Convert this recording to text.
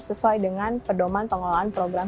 sesuai dengan pedoman pengelolaan program